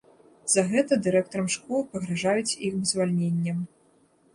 За гэта дырэктарам школ пагражаюць ім звальненнем.